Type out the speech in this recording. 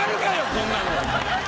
こんなの。